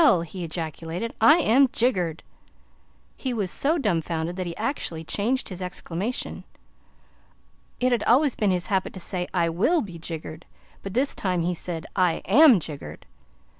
he ejaculated, "I am jiggered!" He was so dumfounded that he actually changed his exclamation. It had always been his habit to say, "I WILL be jiggered," but this time he said, "I AM jiggered."